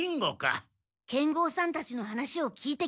剣豪さんたちの話を聞いてきました。